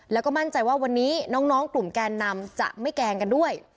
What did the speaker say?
แล้วก็มั่นใจว่าวันนี้น้องกลุ่มแกนนำจะไม่แกล้งกันด้วย